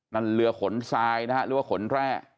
นั่นเรือขนซ้ายนะฮะเรือขนแร่